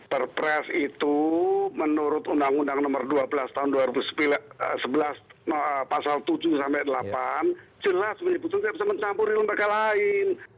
perpres itu menurut undang undang nomor dua belas tahun dua ribu sebelas pasal tujuh sampai delapan jelas menyebutkan semen campur ilmu kelamin